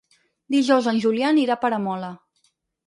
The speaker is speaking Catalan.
Dijous en Julià anirà a Peramola.